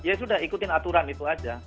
ya sudah ikutin aturan itu aja